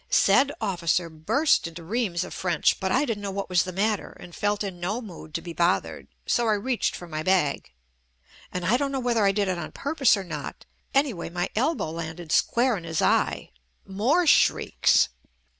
Said officer burst into reams of French, but I didn't know what was the matter and felt in no mood to be bothered, so I reached for my bag, and I don't know whether I did it on purpose or not, anyway my elbow landed square in his eye. More shrieks